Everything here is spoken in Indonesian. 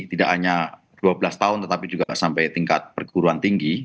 tidak hanya dua belas tahun tetapi juga sampai tingkat perguruan tinggi